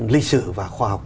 lý sử và khoa học